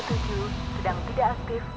sedang tidak aktif